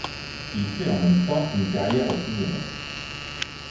Il fait en même temps une carrière au cinéma.